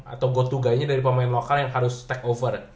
atau gotu gayanya dari pemain lokal yang harus take over